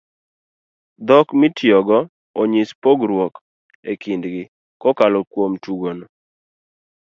dhok magitiyogo onyis pogruok e kindgi kokalo kuom tugo no